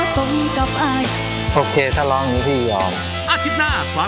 ช่วยฝังดินหรือกว่า